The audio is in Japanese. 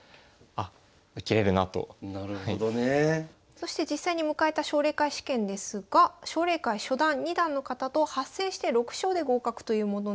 そして実際に迎えた奨励会試験ですが奨励会初段二段の方と８戦して６勝で合格というものでした。